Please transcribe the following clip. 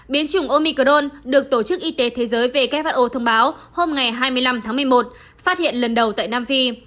biến chủng omicron được tổ chức y tế thế giới who thông báo hôm hai mươi năm một mươi một phát hiện lần đầu tại nam phi